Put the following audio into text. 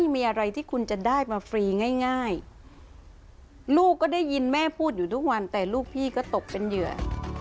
ไม่ได้ยินแม่พูดอยู่ทุกวันแต่ลูกพี่ก็ตกเป็นเหยื่อ